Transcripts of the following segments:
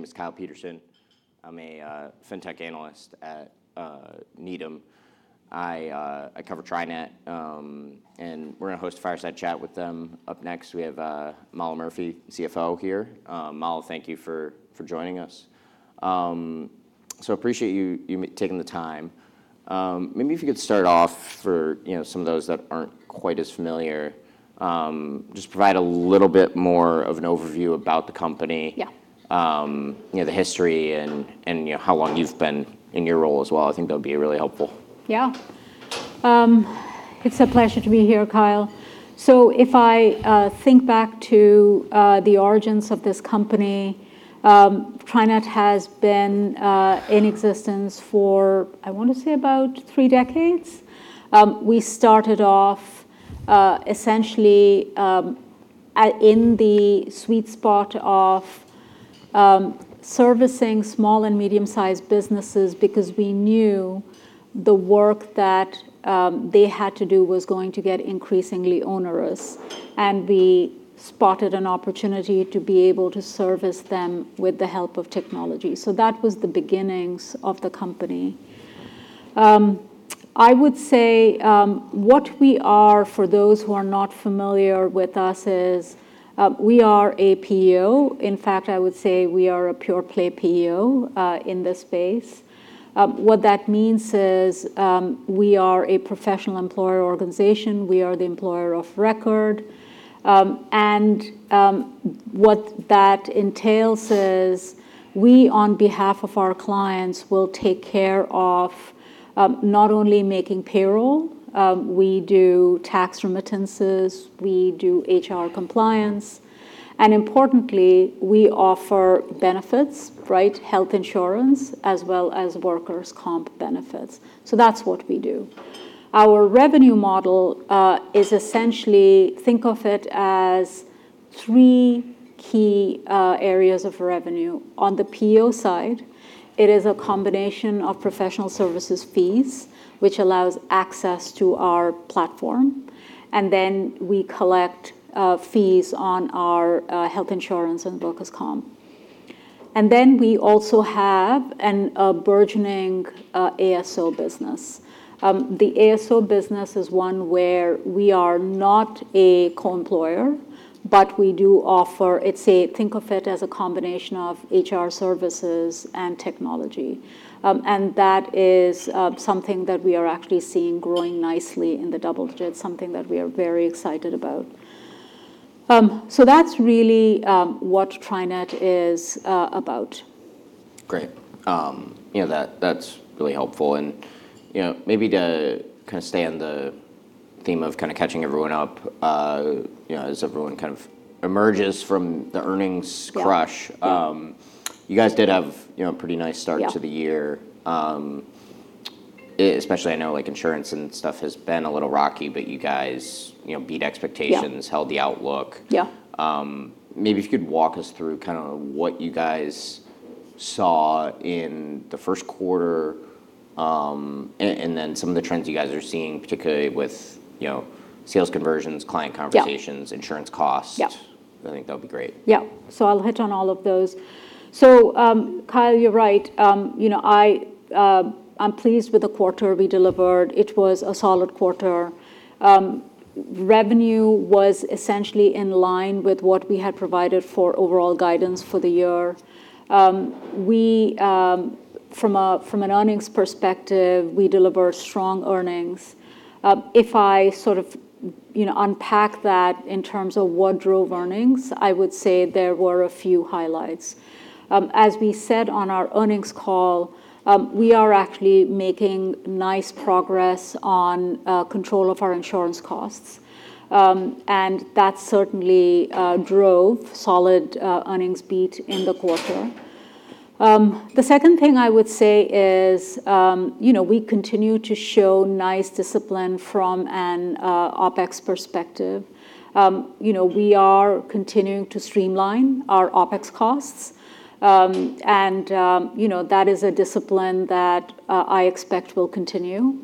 My name is Kyle Peterson. I'm a fintech analyst at Needham. I cover TriNet, and we're gonna host a fireside chat with them. Up next, we have Mala Murthy, CFO here. Mala, thank you for joining us. Appreciate you taking the time. Maybe if you could start off for, you know, some of those that aren't quite as familiar, just provide a little bit more of an overview about the company. Yeah. You know, the history and you know, how long you've been in your role as well. I think that would be really helpful. Yeah. It's a pleasure to be here, Kyle. If I think back to the origins of this company, TriNet has been in existence for, I want to say about three decades. We started off essentially at, in the sweet spot of servicing small and medium-sized businesses because we knew the work that they had to do was going to get increasingly onerous, and we spotted an opportunity to be able to service them with the help of technology. That was the beginnings of the company. I would say what we are, for those who are not familiar with us, is we are a PEO. In fact, I would say we are a pure play PEO in this space. What that means is we are a professional employer organization. We are the employer of record. What that entails is we, on behalf of our clients, will take care of not only making payroll, we do tax remittances, we do HR compliance, importantly, we offer benefits, right? Health insurance as well as workers' comp benefits. That's what we do. Our revenue model is essentially think of it as three key areas of revenue. On the PEO side, it is a combination of professional services fees, which allows access to our platform, we collect fees on our health insurance and workers' comp. We also have an burgeoning ASO business. The ASO business is one where we are not a co-employer, but we do offer think of it as a combination of HR services and technology. That is something that we are actually seeing growing nicely in the double digits, something that we are very excited about. That's really what TriNet is about. Great. You know, that's really helpful. you know, maybe to kinda stay on the theme of kinda catching everyone up, you know, as everyone kind of emerges from the earnings crush. Yeah. Yeah. Maybe if you could walk us through kind of what you guys saw in the Q1, and then some of the trends you guys are seeing, particularly with, you know, sales conversions, client conversations. Yeah Insurance costs. Yeah. I think that'd be great. Yeah. I'll hit on all of those. Kyle, you're right. You know, I'm pleased with the quarter we delivered. It was a solid quarter. Revenue was essentially in line with what we had provided for overall guidance for the year. We, from a, from an earnings perspective, we delivered strong earnings. If I sort of, you know, unpack that in terms of what drove earnings, I would say there were a few highlights. As we said on our earnings call, we are actually making nice progress on control of our insurance costs. That certainly drove solid earnings beat in the quarter. The second thing I would say is, you know, we continue to show nice discipline from an OpEx perspective. You know, we are continuing to streamline our OpEx costs. You know, that is a discipline that I expect will continue.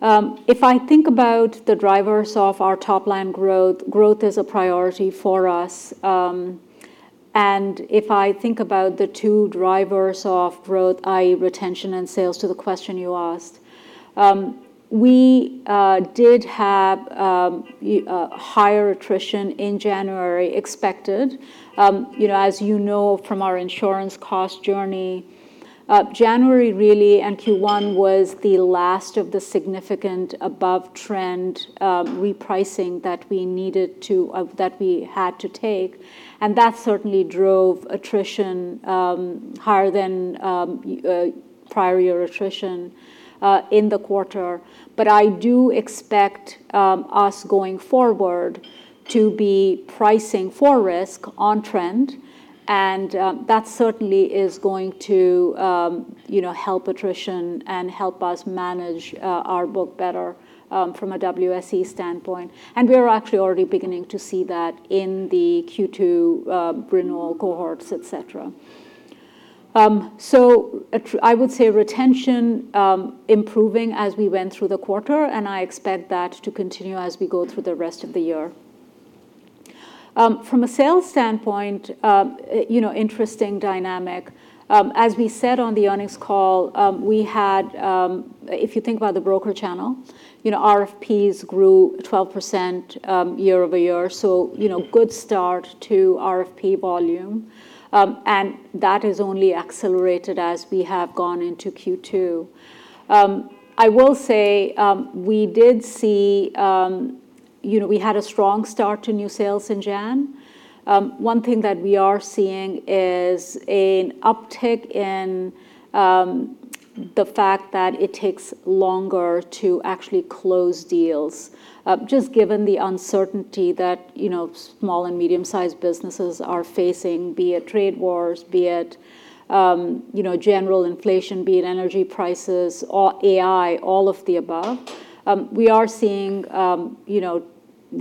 If I think about the drivers of our top line growth is a priority for us. If I think about the two drivers of growth, i.e. retention and sales to the question you asked, we did have higher attrition in January expected. You know, as you know from our insurance cost journey, January really and Q1 was the last of the significant above trend repricing that we needed to, that we had to take, and that certainly drove attrition higher than a prior year attrition in the quarter. I do expect us going forward to be pricing for risk on trend, and that certainly is going to, you know, help attrition and help us manage our book better from a WSE standpoint. We are actually already beginning to see that in the Q2 renewal cohorts, et cetera. I would say retention improving as we went through the quarter, and I expect that to continue as we go through the rest of the year. From a sales standpoint, you know, interesting dynamic. As we said on the earnings call, we had If you think about the broker channel, you know, RFPs grew 12% year-over-year. Good start to RFP volume. That has only accelerated as we have gone into Q2. I will say, we did see, you know, we had a strong start to new sales in January. One thing that we are seeing is an uptick in the fact that it takes longer to actually close deals, just given the uncertainty that, you know, small and medium-sized businesses are facing, be it trade wars, be it, you know, general inflation, be it energy prices or AI, all of the above. We are seeing, you know,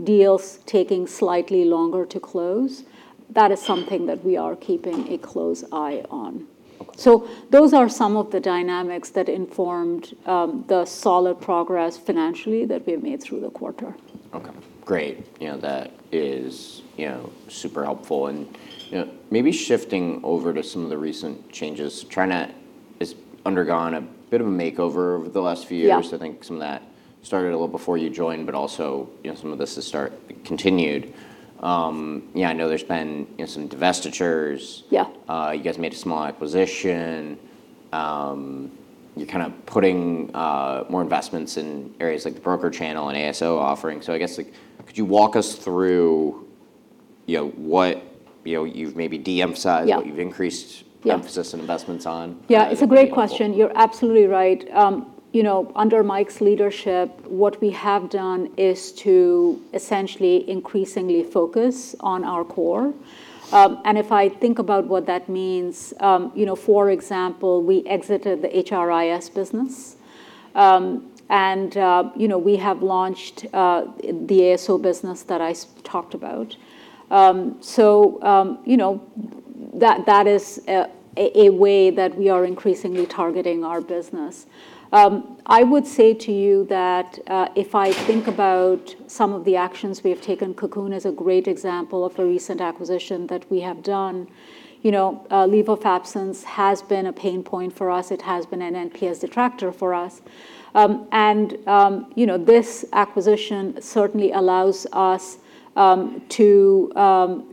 deals taking slightly longer to close. That is something that we are keeping a close eye on. Those are some of the dynamics that informed the solid progress financially that we have made through the quarter. Okay. Great. You know, that is, you know, super helpful. You know, maybe shifting over to some of the recent changes. TriNet has undergone a bit of a makeover over the last few years. Yeah. I think some of that started a little before you joined, but also, you know, some of this has continued. Yeah, I know there's been, you know, some divestitures. Yeah. You guys made a small acquisition. You're kind of putting more investments in areas like the broker channel and ASO offering. I guess, like, could you walk us through, you know, what, you know, you've maybe de-emphasized? Yeah What you've increased- Yeah Emphasis and investments on? Yeah. It's a great question. You're absolutely right. You know, under Mike's leadership, what we have done is to essentially increasingly focus on our core. If I think about what that means, you know, for example, we exited the HRIS business. We have launched the ASO business that I talked about. That, that is a way that we are increasingly targeting our business. I would say to you that, if I think about some of the actions we have taken, Cocoon is a great example of a recent acquisition that we have done. You know, leave of absence has been a pain point for us. It has been an NPS detractor for us. This acquisition certainly allows us to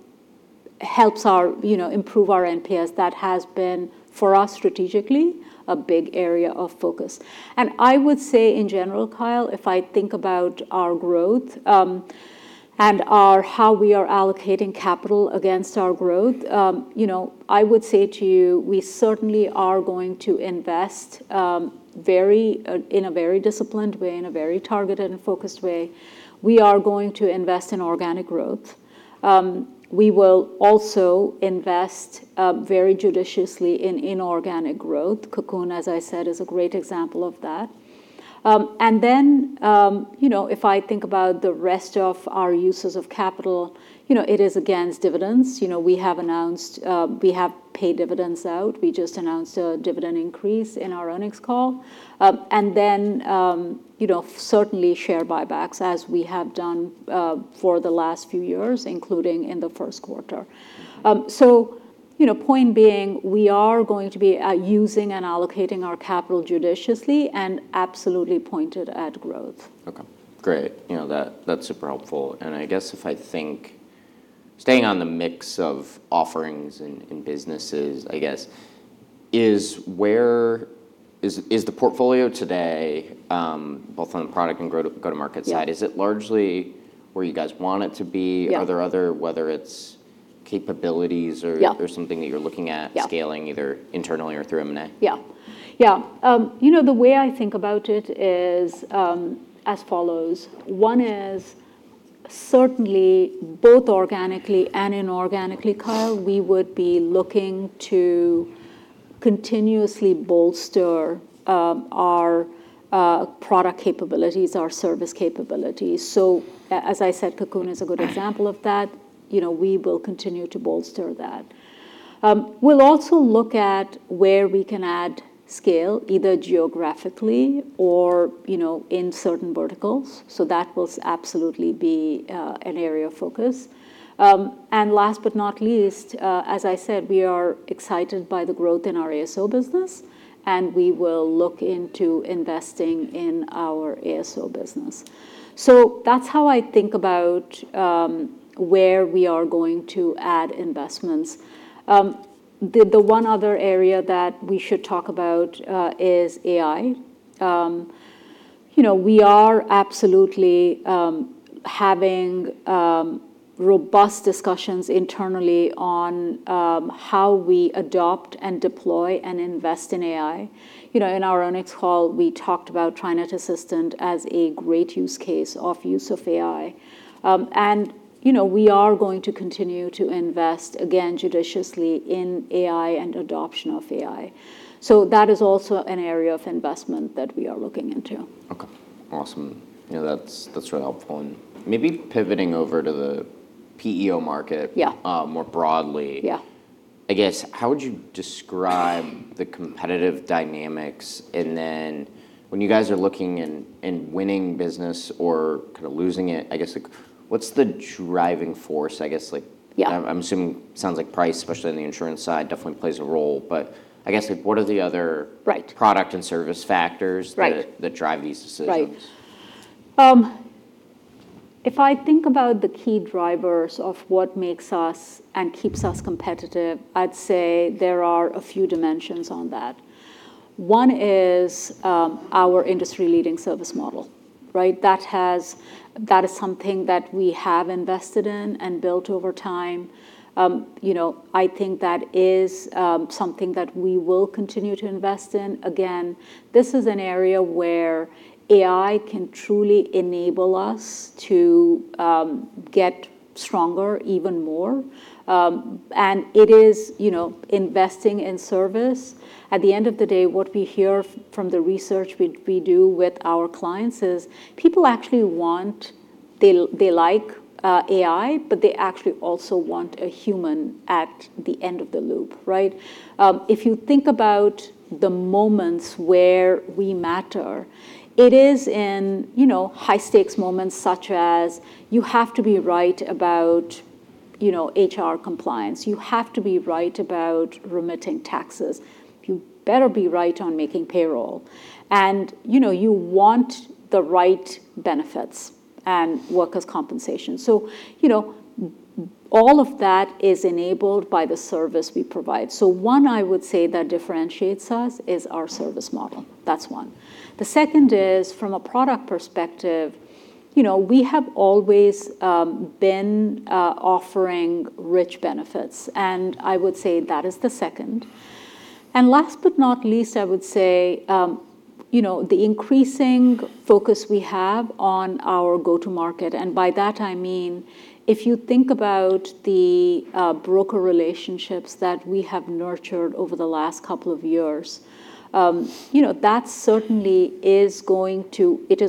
helps our, you know, improve our NPS. That has been, for us strategically, a big area of focus. I would say in general, Kyle, if I think about our growth, and our, how we are allocating capital against our growth, you know, I would say to you, we certainly are going to invest, very, in a very disciplined way, in a very targeted and focused way. We are going to invest in organic growth. We will also invest, very judiciously in inorganic growth. Cocoon, as I said, is a great example of that. Then, if I think about the rest of our uses of capital, you know, it is against dividends. You know, we have announced, we have paid dividends out. We just announced a dividend increase in our earnings call. You know, certainly share buybacks as we have done, for the last few years, including in the Q1. You know, point being, we are going to be using and allocating our capital judiciously and absolutely pointed at growth. Okay. Great. You know, that's super helpful. I guess if I think staying on the mix of offerings in businesses, I guess, is where is the portfolio today, both on the product and go-to-market side? Yeah Is it largely where you guys want it to be? Yeah. Are there other, whether it's capabilities or? Yeah Something that you're looking at. Yeah Scaling either internally or through M&A? You know, the way I think about it is as follows. One is certainly both organically and inorganically, Kyle, we would be looking to continuously bolster our product capabilities, our service capabilities. As I said, Cocoon is a good example of that. You know, we will continue to bolster that. We'll also look at where we can add scale, either geographically or, you know, in certain verticals. That will absolutely be an area of focus. And last but not least, as I said, we are excited by the growth in our ASO business, and we will look into investing in our ASO business. That's how I think about where we are going to add investments. The one other area that we should talk about is AI. You know, we are absolutely having robust discussions internally on how we adopt and deploy and invest in AI. You know, in our earnings call, we talked about TriNet Assistant as a great use case of use of AI. You know, we are going to continue to invest, again, judiciously in AI and adoption of AI. So that is also an area of investment that we are looking into. Okay. Awesome. Yeah, that's really helpful. maybe pivoting over to the PEO market. Yeah More broadly. Yeah. I guess, how would you describe the competitive dynamics? Then when you guys are looking and winning business or kinda losing it, I guess, like, what's the driving force, I guess? Yeah I'm assuming sounds like price, especially on the insurance side, definitely plays a role. I guess, like, what are the other? Right Product and service factors. Right That drive these decisions? Right. If I think about the key drivers of what makes us and keeps us competitive, I'd say there are a few dimensions on that. One is our industry-leading service model, right? That is something that we have invested in and built over time. You know, I think that is something that we will continue to invest in. Again, this is an area where AI can truly enable us to get stronger even more. It is, you know, investing in service. At the end of the day, what we hear from the research we do with our clients is people actually want, they like AI, but they actually also want a human at the end of the loop, right? If you think about the moments where we matter, it is in, you know, high-stakes moments such as you have to be right about, you know, HR compliance. You have to be right about remitting taxes. You better be right on making payroll. You know, you want the right benefits and workers' compensation. You know, all of that is enabled by the service we provide. One I would say that differentiates us is our service model. That's one. The second is from a product perspective. You know, we have always been offering rich benefits, I would say that is the second. Last but not least, I would say, you know, the increasing focus we have on our go-to-market. By that, I mean if you think about the broker relationships that we have nurtured over the last couple of years, you know, that certainly is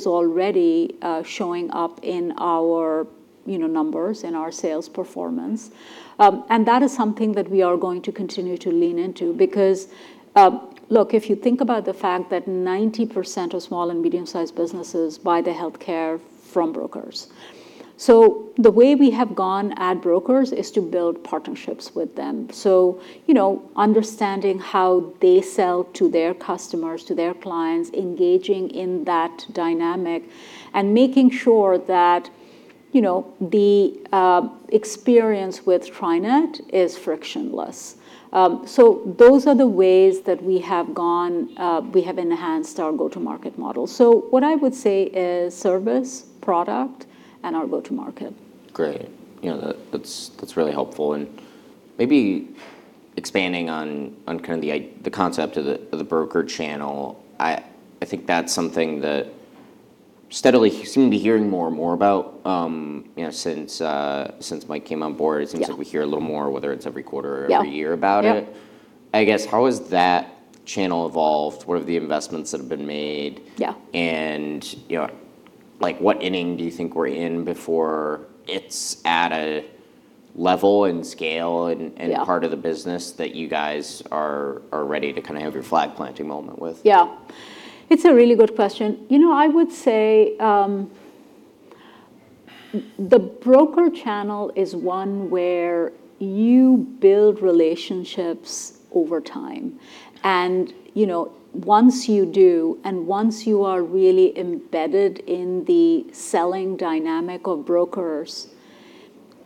already showing up in our, you know, numbers and our sales performance. That is something that we are going to continue to lean into because look, if you think about the fact that 90% of small and medium-sized businesses buy their healthcare from brokers. The way we have gone at brokers is to build partnerships with them. Understanding how they sell to their customers, to their clients, engaging in that dynamic, and making sure that, you know, the experience with TriNet is frictionless. Those are the ways that we have gone, we have enhanced our go-to-market model. What I would say is service, product, and our go-to-market. Great. You know, that's really helpful. Maybe expanding on kind of the concept of the broker channel, I think that's something that steadily seem to be hearing more and more about, you know, since Mike came on board. Yeah. It seems like we hear a little more, whether it's every quarter- Yeah Every year about it. Yeah. I guess, how has that channel evolved? What are the investments that have been made? Yeah. You know, like, what inning do you think we're in before it's at a level and scale and? Yeah Part of the business that you guys are ready to kind of have your flag-planting moment with? Yeah. It's a really good question. You know, I would say, the broker channel is one where you build relationships over time. You know, once you do and once you are really embedded in the selling dynamic of brokers,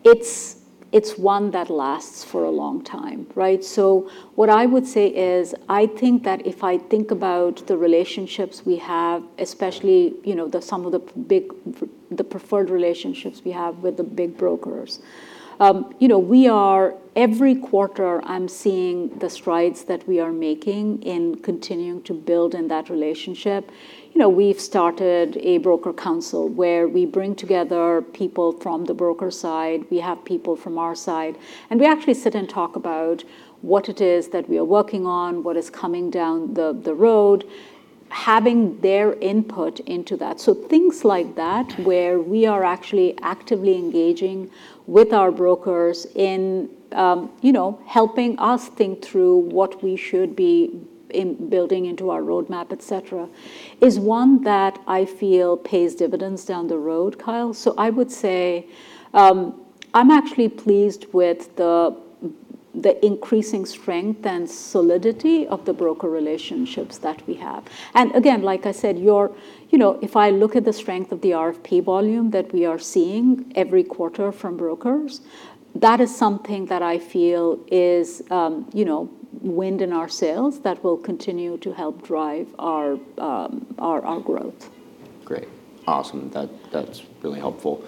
it's one that lasts for a long time, right? What I would say is, I think that if I think about the relationships we have, especially, you know, the preferred relationships we have with the big brokers, you know, we are every quarter, I'm seeing the strides that we are making in continuing to build in that relationship. You know, we've started a broker council where we bring together people from the broker side, we have people from our side, and we actually sit and talk about what it is that we are working on, what is coming down the road, having their input into that. Things like that, where we are actually actively engaging with our brokers in, you know, helping us think through what we should be building into our roadmap, et cetera, is one that I feel pays dividends down the road, Kyle. I would say, I'm actually pleased with the increasing strength and solidity of the broker relationships that we have. Again, like I said, you know, if I look at the strength of the RFP volume that we are seeing every quarter from brokers, that is something that I feel is, you know, wind in our sails that will continue to help drive our growth. Great. Awesome. That's really helpful.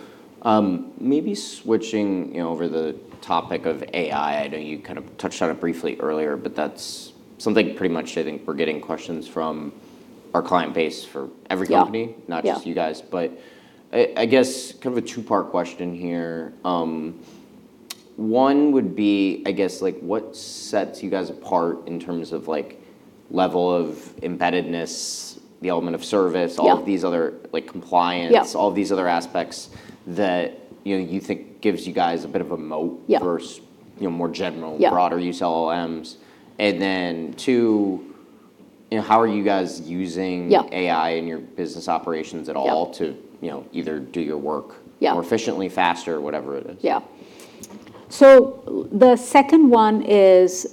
Maybe switching, you know, over the topic of AI. I know you kind of touched on it briefly earlier, but that's something pretty much I think we're getting questions from our client base for every company. Yeah. Not just you guys. I guess kind of a two-part question here. One would be, I guess, like what sets you guys apart in terms of like level of embeddedness, the element of service. Yeah All of these other, like compliance- Yeah All these other aspects that, you know, you think gives you guys a bit of a moat. Yeah Versus, you know, more. Yeah Broader use LLMs. Two, you know, how are you guys using. Yeah AI in your business operations at all? Yeah To, you know, either do your work- Yeah More efficiently, faster, whatever it is. Yeah. The second one is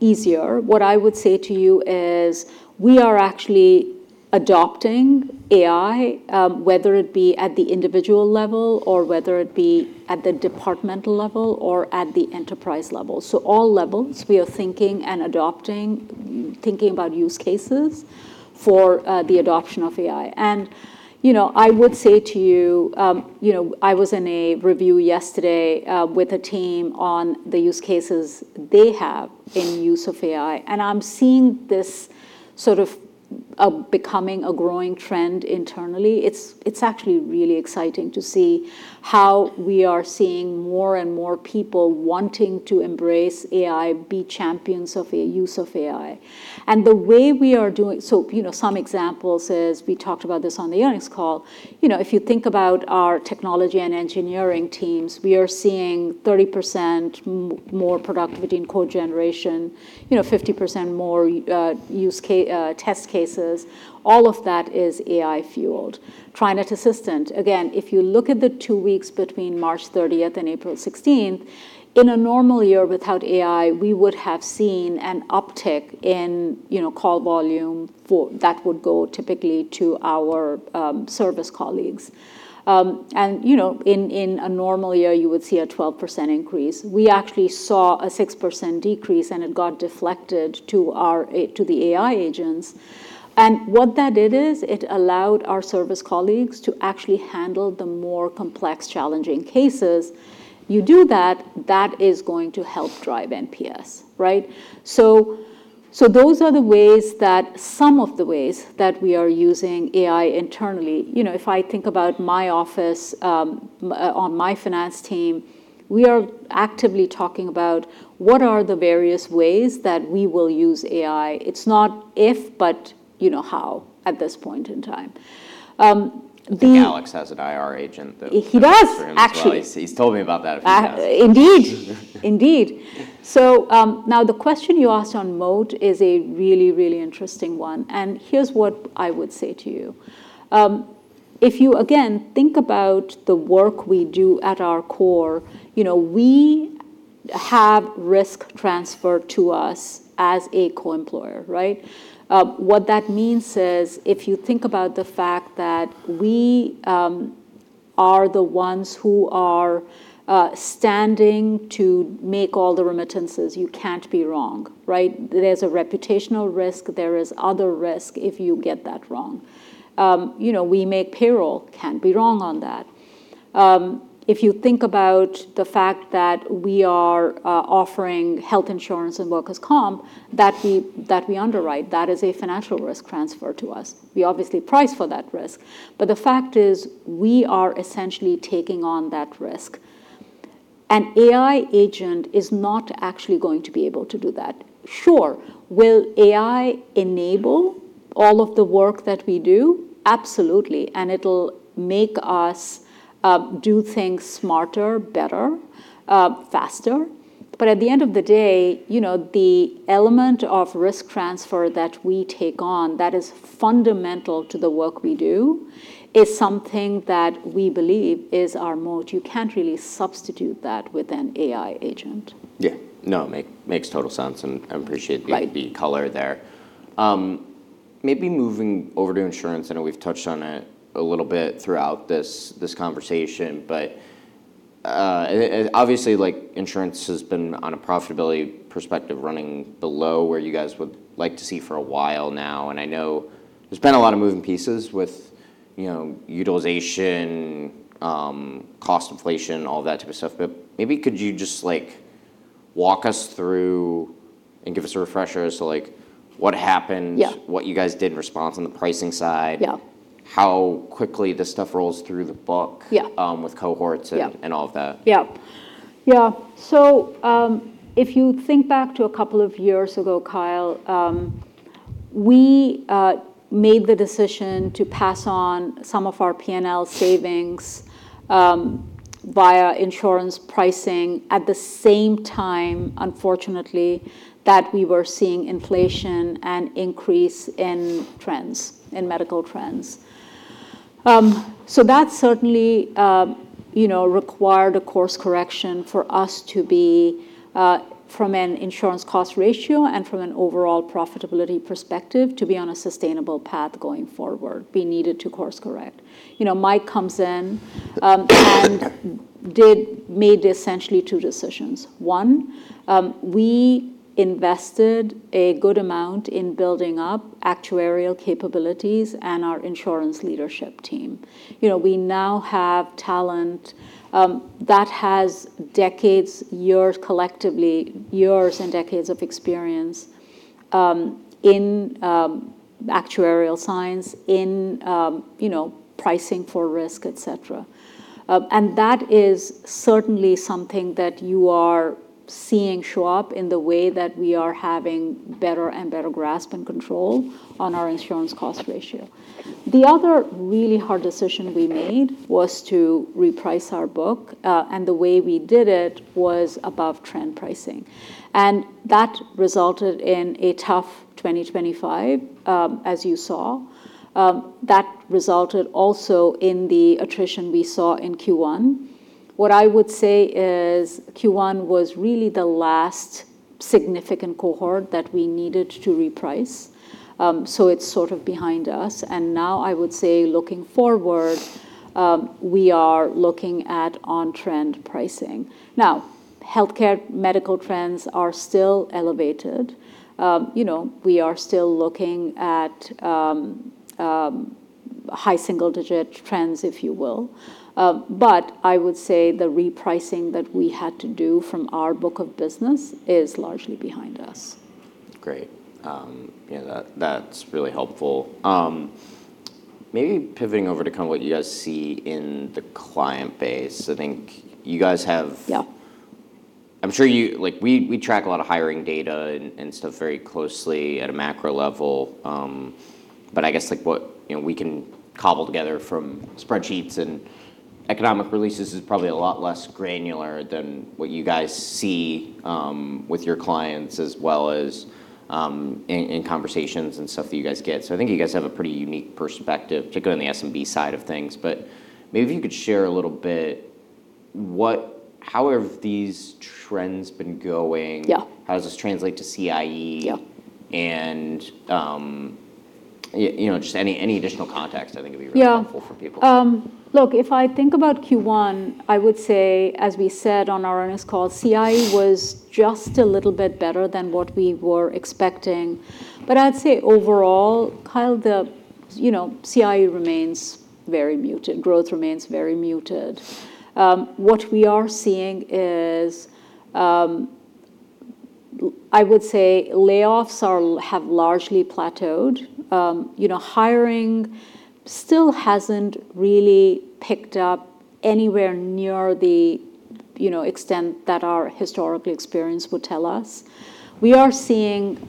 easier. What I would say to you is we are actually adopting AI, whether it be at the individual level or whether it be at the departmental level or at the enterprise level. All levels we are thinking and adopting, thinking about use cases for the adoption of AI. You know, I would say to you know, I was in a review yesterday with a team on the use cases they have in use of AI, and I'm seeing this sort of becoming a growing trend internally. It's actually really exciting to see how we are seeing more and more people wanting to embrace AI, be champions of AI, use of AI. The way we are doing so, you know, some examples is, we talked about this on the earnings call. You know, if you think about our technology and engineering teams, we are seeing 30% more productivity in code generation. You know, 50% more use test cases. All of that is AI fueled. TriNet Assistant. If you look at the two weeks between March 30th and April 16th, in a normal year without AI, we would have seen an uptick in, you know, call volume for that would go typically to our service colleagues. You know, in a normal year you would see a 12% increase. We actually saw a 6% decrease, it got deflected to our to the AI agents. What that did is it allowed our service colleagues to actually handle the more complex challenging cases. You do that is going to help drive NPS, right? Those are some of the ways that we are using AI internally. You know, if I think about my office, on my finance team, we are actively talking about what are the various ways that we will use AI. It's not if, but you know, how, at this point in time. I think Alex has an IR agent. He does. He runs through as well. He's told me about that a few times. Indeed. Indeed. Now the question you asked on moat is a really, really interesting one, and here's what I would say to you. If you, again, think about the work we do at our core, you know, we have risk transferred to us as a co-employer, right? What that means is if you think about the fact that we are the ones who are standing to make all the remittances, you can't be wrong, right? There's a reputational risk. There is other risk if you get that wrong. You know, we make payroll. Can't be wrong on that. If you think about the fact that we are offering health insurance and workers' comp that we underwrite, that is a financial risk transferred to us. We obviously price for that risk. The fact is we are essentially taking on that risk. An AI agent is not actually going to be able to do that. Sure, will AI enable all of the work that we do? Absolutely. It'll make us do things smarter, better, faster. At the end of the day, you know, the element of risk transfer that we take on that is fundamental to the work we do is something that we believe is our moat. You can't really substitute that with an AI agent. Yeah. No, makes total sense, and I appreciate. Right The color there. maybe moving over to insurance. I know we've touched on it a little bit throughout this conversation, but obviously like insurance has been on a profitability perspective running below where you guys would like to see for a while now. I know there's been a lot of moving pieces with, you know, utilization, cost inflation, all that type of stuff. maybe could you just like walk us through and give us a refresher as to like what happened? Yeah What you guys did in response on the pricing side? Yeah How quickly this stuff rolls through the book. Yeah With cohorts. Yeah All of that. Yeah. Yeah. If you think back to a couple of years ago, Kyle, we made the decision to pass on some of our P&L savings via insurance pricing at the same time, unfortunately, that we were seeing inflation and increase in trends, in medical trends. That certainly, you know, required a course correction for us to be from an insurance cost ratio and from an overall profitability perspective to be on a sustainable path going forward. We needed to course correct. You know, Mike comes in and made essentially two decisions. One, we invested a good amount in building up actuarial capabilities and our insurance leadership team. You know, we now have talent that has decades, years collectively, years and decades of experience in actuarial science in, you know, pricing for risk, et cetera. That is certainly something that you are seeing show up in the way that we are having better and better grasp and control on our insurance cost ratio. The other really hard decision we made was to reprice our book. The way we did it was above trend pricing. That resulted in a tough 2025, as you saw. That resulted also in the attrition we saw in Q1. What I would say is Q1 was really the last significant cohort that we needed to reprice. It's sort of behind us. Now I would say looking forward, we are looking at on-trend pricing. Now, healthcare medical trends are still elevated. You know, we are still looking at high single-digit trends, if you will. I would say the repricing that we had to do from our book of business is largely behind us. Great. yeah, that's really helpful. maybe pivoting over to kind of what you guys see in the client base. Yeah I'm sure you Like, we track a lot of hiring data and stuff very closely at a macro level. I guess, like, what, you know, we can cobble together from spreadsheets and economic releases is probably a lot less granular than what you guys see with your clients as well as in conversations and stuff that you guys get. I think you guys have a pretty unique perspective, particularly on the SMB side of things. Maybe if you could share a little bit what how have these trends been going? Yeah. How does this translate to CIE? Yeah. You know, just any additional context I think would be really helpful for people. Yeah. Look, if I think about Q1, I would say, as we said on our earnings call, CIE was just a little bit better than what we were expecting. I'd say overall, Kyle, the, you know, CIE remains very muted. Growth remains very muted. What we are seeing is, I would say layoffs have largely plateaued. You know, hiring still hasn't really picked up anywhere near the, you know, extent that our historical experience would tell us. We are seeing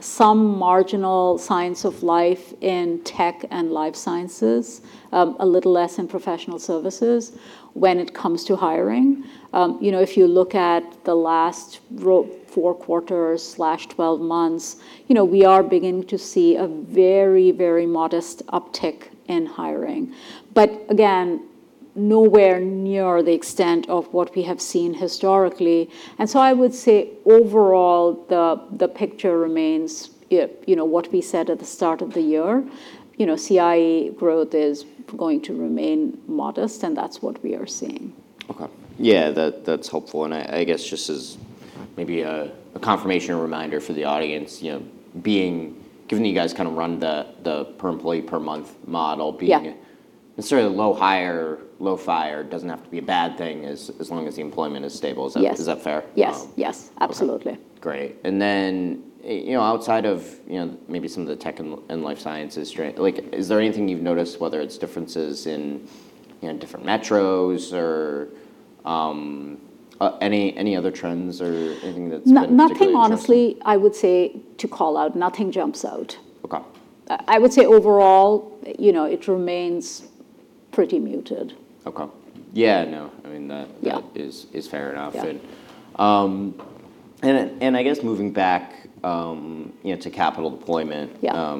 some marginal signs of life in tech and life sciences, a little less in professional services when it comes to hiring. You know, if you look at the last four quarters slash 12 months, you know, we are beginning to see a very, very modest uptick in hiring. Again, nowhere near the extent of what we have seen historically. I would say overall, the picture remains you know, what we said at the start of the year. You know, CIE growth is going to remain modest, and that's what we are seeing. Okay. Yeah. That, that's helpful. I guess just as maybe a confirmation or reminder for the audience, you know, given that you guys kind of run the per employee per month model. Yeah Necessarily low hire, low fire doesn't have to be a bad thing as long as the employment is stable. Yes. Is that fair? Yes. Yes. Okay. Absolutely. Great. You know, outside of, you know, maybe some of the tech and life sciences trend, like, is there anything you've noticed, whether it's differences in, you know, different metros or any other trends or anything that's been particularly interesting? Nothing honestly, I would say to call out. Nothing jumps out. Okay. I would say overall, you know, it remains pretty muted. Okay. Yeah. No, I mean. Yeah That is fair enough. Yeah. I guess moving back, you know, to capital deployment. Yeah.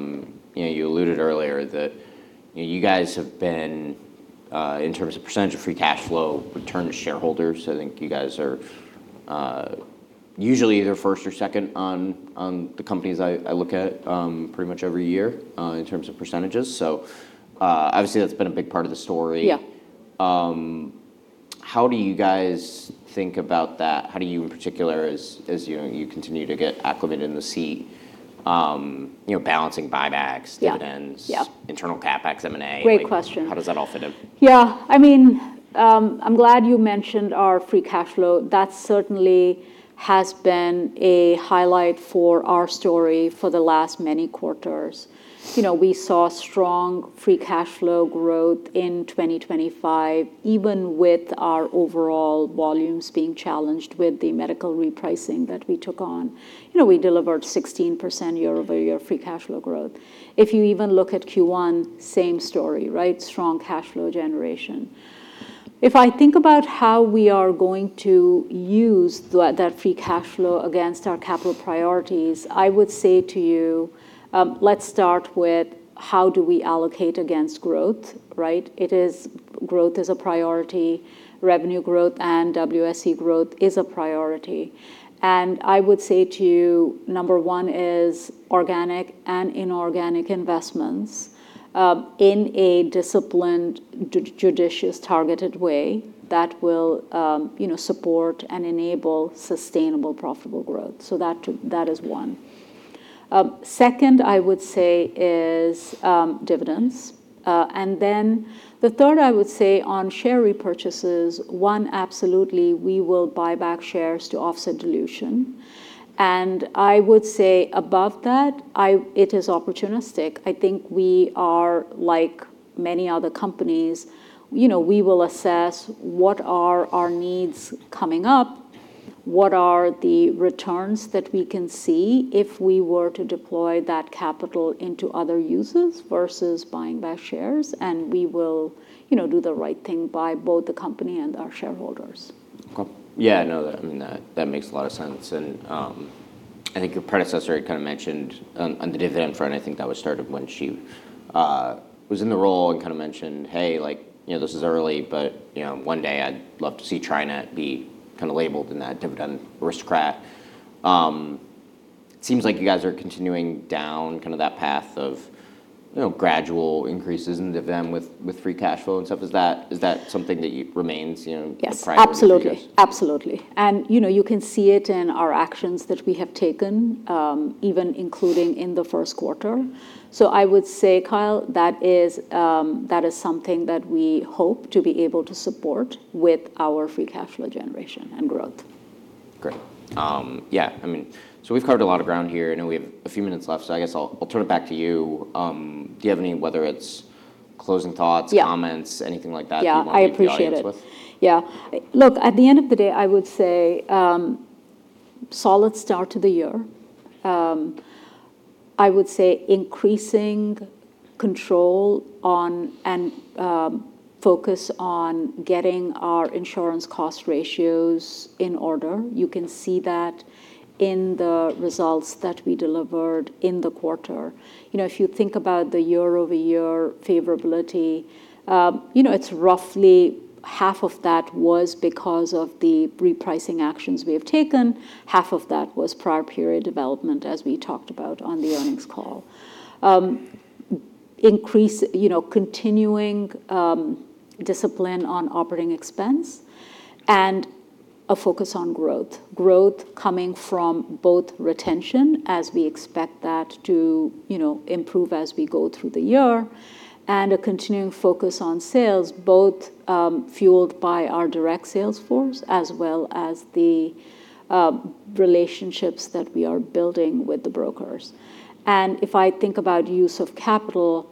You know, you alluded earlier that, you know, you guys have been in terms of percentage of free cash flow, return to shareholders, I think you guys are usually either first or second on the companies I look at, pretty much every year, in terms of percentages. Obviously, that's been a big part of the story. Yeah. How do you guys think about that? How do you in particular as you continue to get acclimated in the seat, you know, balancing buybacks? Yeah Dividends- Yeah Internal CapEx, M&A? Great question. How does that all fit in? Yeah. I mean, I'm glad you mentioned our free cash flow. That certainly has been a highlight for our story for the last many quarters. You know, we saw strong free cash flow growth in 2025, even with our overall volumes being challenged with the medical repricing that we took on. You know, we delivered 16% year-over-year free cash flow growth. If you even look at Q1, same story, right? Strong cash flow generation. If I think about how we are going to use that free cash flow against our capital priorities, I would say to you, let's start with how do we allocate against growth, right? It is growth is a priority. Revenue growth and WSE growth is a priority. I would say to you number one is organic and inorganic investments, in a disciplined, judicious, targeted way that will, you know, support and enable sustainable profitable growth. That is one. Second I would say is dividends. The third I would say on share repurchases, one, absolutely we will buy back shares to offset dilution. I would say above that, it is opportunistic. I think we are like many other companies. You know, we will assess what are our needs coming up, what are the returns that we can see if we were to deploy that capital into other uses versus buying back shares, and we will, you know, do the right thing by both the company and our shareholders. Cool. Yeah, no, I mean, that makes a lot of sense. I think your predecessor kind of mentioned on the dividend front, I think that was started when she was in the role and kind of mentioned, "Hey, like, you know, this is early, but, you know, one day I'd love to see TriNet be kind of labeled in that Dividend aristocrat." Seems like you guys are continuing down kind of that path of, you know, gradual increases in dividend with free cash flow and stuff. Is that something that remains, you know? Yes A priority for you guys? Absolutely. Absolutely. You know, you can see it in our actions that we have taken, even including in the Q1. I would say, Kyle, that is something that we hope to be able to support with our free cash flow generation and growth. Great. yeah, I mean, we've covered a lot of ground here. I know we have a few minutes left, I guess I'll turn it back to you. Do you have any, whether it's closing thoughts? Yeah Comments, anything like that. Yeah You'd want to leave the audience with? I appreciate it. Yeah. Look, at the end of the day, I would say, solid start to the year. I would say increasing control on and, focus on getting our insurance cost ratios in order. You can see that in the results that we delivered in the quarter. You know, if you think about the year-over-year favorability, you know, it's roughly half of that was because of the repricing actions we have taken, half of that was prior period development, as we talked about on the earnings call. You know, continuing discipline on operating expense and a focus on growth. Growth coming from both retention, as we expect that to, you know, improve as we go through the year, and a continuing focus on sales, both fueled by our direct sales force as well as the relationships that we are building with the brokers. If I think about use of capital,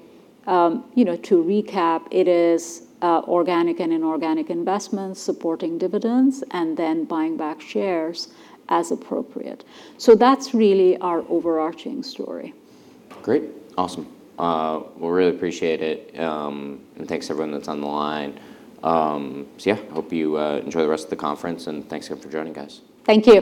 you know, to recap, it is organic and inorganic investments, supporting dividends, and then buying back shares as appropriate. That's really our overarching story. Great. Awesome. Well, really appreciate it. Thanks everyone that's on the line. Yeah, hope you enjoy the rest of the conference and thanks again for joining us. Thank you.